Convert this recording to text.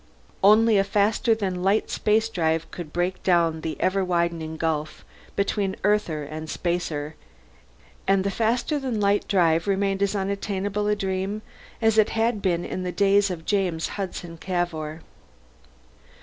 Only a faster than light spacedrive could break down the ever widening gulf between Earther and Spacer and the faster than light drive remained as unattainable a dream as it had been in the days of James Hudson Cavour.